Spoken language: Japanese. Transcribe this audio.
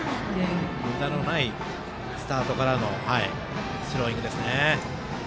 むだのないスタートからのスローイングですね。